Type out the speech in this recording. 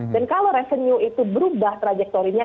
dan kalau revenue itu berubah trajektorinya